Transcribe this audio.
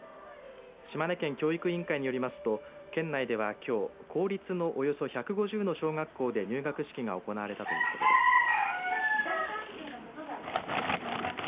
島根県教育委員会によりますと県内では、きょう公立のおよそ１５０の小学校で入学式が行われたということです。